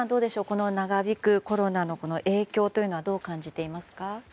この長引くコロナの影響はどう感じていますか。